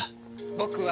僕は。